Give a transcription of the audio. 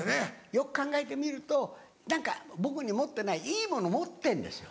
よく考えてみると僕に持ってないいいもの持ってんですよ。